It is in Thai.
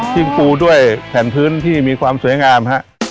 ซึ่งปูด้วยแผ่นพื้นที่มีความสวยงามฮะ